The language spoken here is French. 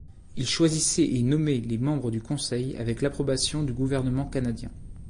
Il choisissait et nommait les membres du Conseil avec l'approbation du gouvernement canadien.